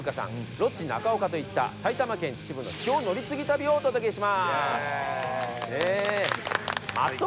ロッチ中岡と行った埼玉県秩父の秘境乗り継ぎ旅をお届けします！」